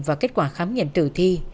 và kết quả khám nghiệm tử thi